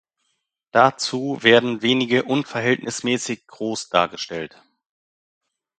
Dazu werden wenige unverhältnismäßig groß dargestellt.